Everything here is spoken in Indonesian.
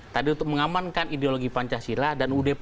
tadi untuk mengamankan ideologi pancasila dan ud empat puluh lima